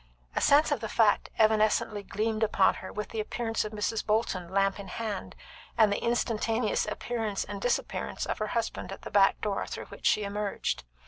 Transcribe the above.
A sense of the fact evanescently gleamed upon her with the appearance of Mrs. Bolton, lamp in hand, and the instantaneous appearance and disappearance of her husband at the back door through which she emerged.